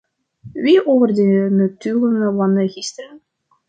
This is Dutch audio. Wie over de notulen van gisteren?